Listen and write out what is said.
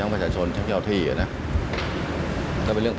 ปลอดภัยการให้สารทูต